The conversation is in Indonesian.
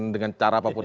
dengan cara apapun